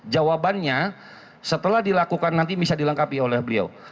jawabannya setelah dilakukan nanti bisa dilengkapi oleh beliau